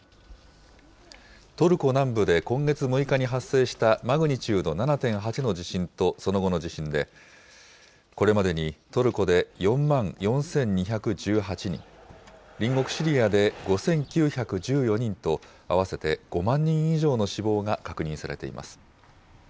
トルコ南部で今月６日に発生したマグニチュード７．８の地震とその後の地震で、これまでにトルコで４万４２１８人、隣国シリアで５９１４人と、合わせて５万人以上の死亡が確認されています。